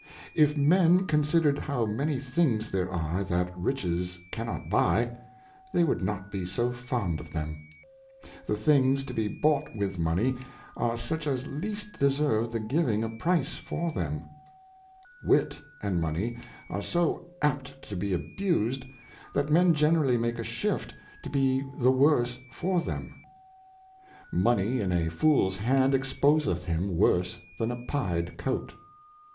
IF Men considered how many Things there are that Riches cannot buy, they would not be so fond of them. The Things to be bought with Money, are such as least deserve the giving a Price for them. Wit and Money are so apt to be abused, that Men generally make a shift to be the worse for them. HAurAx R Money 242 Moral Thoughts and Reflections. Money in a Fool's Hand exposeth him worse than a pyed Coat.